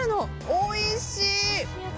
おいしい！